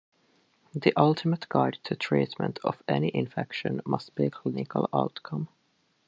The ultimate guide to treatment of any infection must be clinical outcome.